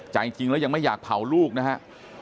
ใจจริงแล้วยังไม่อยากเผาลูกนะฮะ